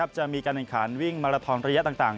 จะมีการแข่งขันวิ่งมาลาทอนระยะต่าง